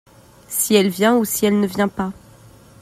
si elle vient ou si elle ne vient pas.